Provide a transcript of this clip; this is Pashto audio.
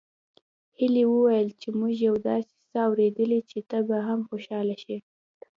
هيلې وويل چې موږ يو داسې څه اورېدلي چې ته به هم خوشحاله شې